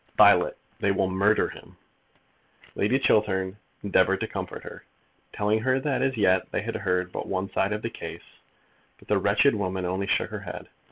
"Violet, they will murder him!" Lady Chiltern endeavoured to comfort her, telling her that as yet they had heard but one side of the case; but the wretched woman only shook her head.